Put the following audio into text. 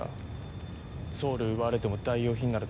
ソウル奪われても代用品なら作り直せる。